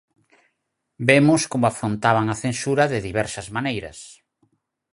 Vemos como afrontaban a censura de diversas maneiras.